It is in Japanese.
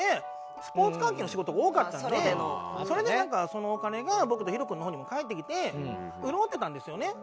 スポーツ関係の仕事が多かったんでそれでなんかそのお金が僕とＨＩＲＯ君の方にも入ってきて潤ってたんですよね。